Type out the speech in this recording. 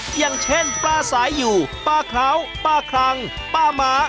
อย่างเช่นปลาสายอยู่ปลาเคล้าปลาคลังป้าม้า